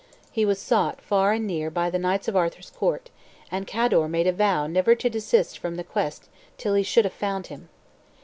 He was sought far and near by the knights of Arthur's court, and Cador made a vow never to desist from the quest till he should have found him.